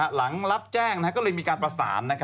หลังรับแจ้งก็เลยมีการประสาน